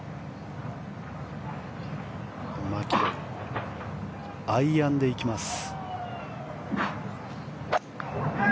マキロイはアイアンでいきます。